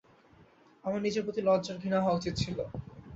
আমার নিজের প্রতি লজ্জা আর ঘৃণা হওয়া উচিৎ ছিল।